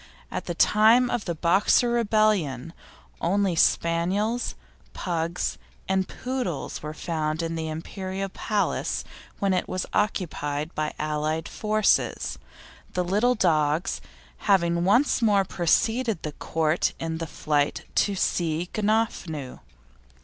At the time of the Boxer Rebellion only Spaniels, Pugs, and Poodles were found in the Imperial Palace when it was occupied by the Allied Forces, the little dogs having once more preceded the court in the flight to Si gnanfu.